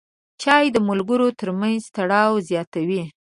چای د ملګرو ترمنځ تړاو زیاتوي.